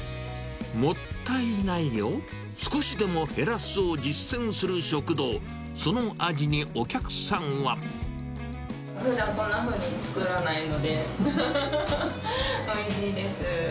もったいないを少しでも減らすを実践する食堂、その味にお客ふだん、こんなふうに作らないので、おいしいです。